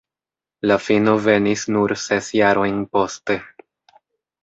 La fino venis nur ses jarojn poste.